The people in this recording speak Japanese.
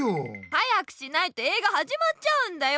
早くしないと映画はじまっちゃうんだよ！